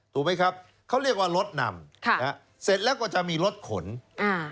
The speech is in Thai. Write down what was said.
ถูกไหมครับเขาเรียกว่ารถนำค่ะนะฮะเสร็จแล้วก็จะมีรถขนอ่า